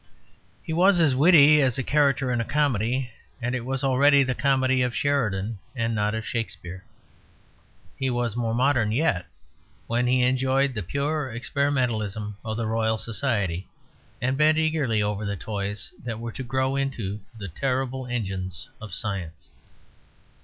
He was as witty as a character in a comedy; and it was already the comedy of Sheridan and not of Shakespeare. He was more modern yet when he enjoyed the pure experimentalism of the Royal Society, and bent eagerly over the toys that were to grow into the terrible engines of science.